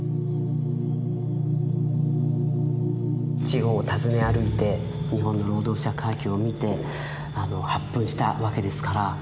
地方を訪ね歩いて日本の労働者階級を見て発奮したわけですから。